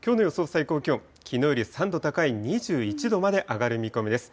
最高気温、きのうより３度高い２１度まで上がる見込みです。